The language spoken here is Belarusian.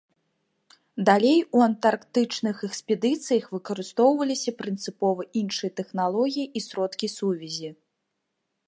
Далей у антарктычных экспедыцыях выкарыстоўваліся прынцыпова іншыя тэхналогіі і сродкі сувязі.